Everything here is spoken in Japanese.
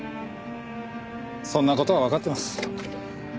そんな事はわかってます。